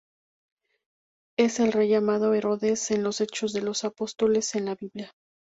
Es el rey llamado 'Herodes' en los Hechos de los Apóstoles, en la Biblia.